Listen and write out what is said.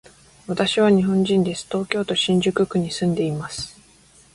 私は日本人です。東京都新宿区に住んでいます。